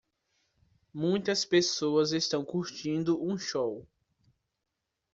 Muitas pessoas estão curtindo um show.